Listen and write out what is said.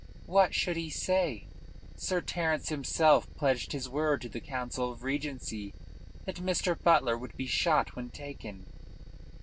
"What should he say? Sir Terence himself pledged his word to the Council of Regency that Mr. Butler would be shot when taken."